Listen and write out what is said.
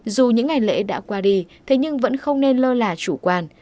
dù những ngày lễ đã qua đi thế nhưng vẫn không nên lơ là chủ quan